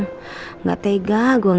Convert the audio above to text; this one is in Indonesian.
gak tega gue liat rena nangis kayak beginin